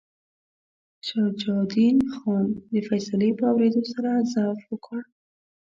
شجاع الدین خان د فیصلې په اورېدو سره ضعف وکړ.